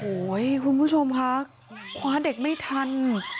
โอ้โหคุณผู้ชมคะคว้าเด็กไม่ทัน